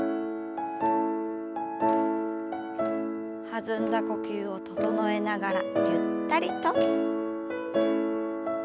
弾んだ呼吸を整えながらゆったりと。